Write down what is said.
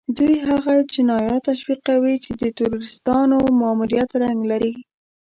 دوی هغه جنايات تشويقوي چې د تروريستانو ماموريت رنګ لري.